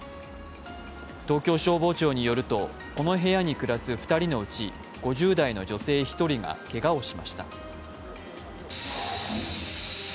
東京消防庁によると、この部屋に暮らす２人のうち５０代の女性１人がけがをしました。